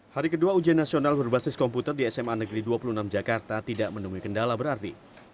hari kedua ujian nasional berbasis komputer di sma negeri dua puluh enam jakarta tidak menemui kendala berarti